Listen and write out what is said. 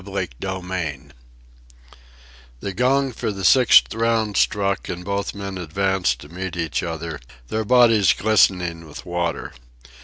CHAPTER VI The gong for the sixth round struck, and both men advanced to meet each other, their bodies glistening with water.